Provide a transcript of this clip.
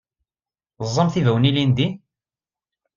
Teẓẓamt ibawen ilindi?